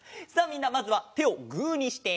みんなまずはてをグーにして！